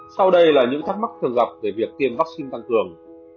sau đây là những thắc mắc thường gặp về việc tiêm vaccine tăng cường